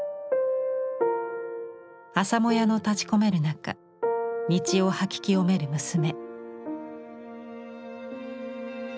朝もやの立ちこめる中道を掃き清める娘。